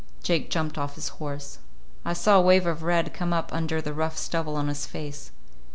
Jake jumped off his horse. I saw a wave of red come up under the rough stubble on his face.